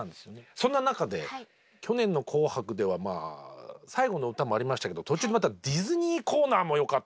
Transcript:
そんな中で去年の「紅白」では最後の歌もありましたけど途中でまたディズニーコーナーもよかった。